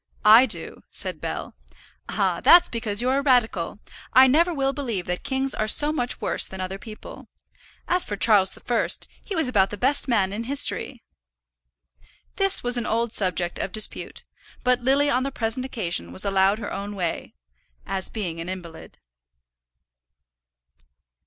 "I do," said Bell. "Ah, that's because you're a radical. I never will believe that kings are so much worse than other people. As for Charles the First, he was about the best man in history." This was an old subject of dispute; but Lily on the present occasion was allowed her own way, as being an invalid.